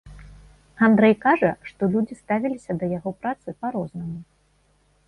Андрэй кажа, што людзі ставіліся да яго працы па-рознаму.